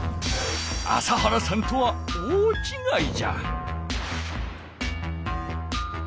朝原さんとは大ちがいじゃ。